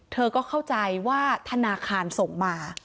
เธอก็เข้าใจว่าธนาคารส่งมา